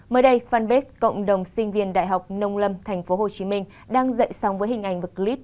mới đây fanpage cộng đồng sinh viên đại học nông lâm tp hcm đang dạy song với hình ảnh và clip